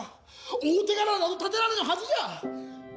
大手柄など立てられぬはずじゃ。